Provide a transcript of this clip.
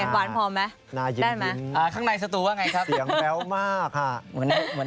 เป็นไงหวานพอมไหมได้ไหมน่ายิน